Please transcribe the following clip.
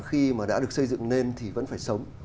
khi mà đã được xây dựng nên thì vẫn phải sống